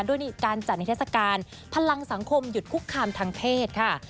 ด้วยการจัดนิทัศกาลพลังสังคมหยุดคุกคามทางเพศค่ะ